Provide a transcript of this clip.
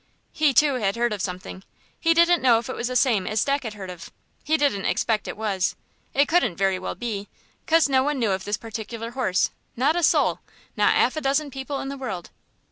He too had heard of something; he didn't know if it was the same as Stack had heard of; he didn't expect it was. It couldn't very well be, 'cause no one knew of this particular horse, not a soul! not 'alf a dozen people in the world.